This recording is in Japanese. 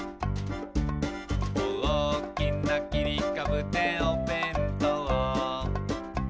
「おおきなきりかぶでおべんとう」